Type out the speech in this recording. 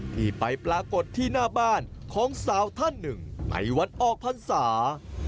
ที่ไปปรากฏที่หน้าบ้านของสาวท่านหนึ่งในวันออกพรรษา